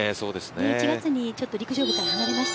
１１月に陸上部から離れました。